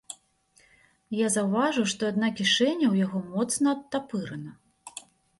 Я заўважыў, што адна кішэня ў яго моцна адтапырана.